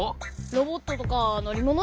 ロボットとかのりもの？